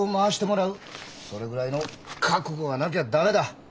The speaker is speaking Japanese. それぐらいの覚悟がなきゃ駄目だ！